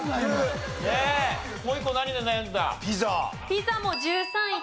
ピザも１３位。